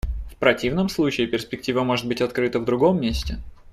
В противном случае перспектива может быть открыта в другом месте.